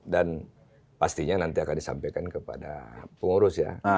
dan pastinya nanti akan disampaikan kepada pengurus ya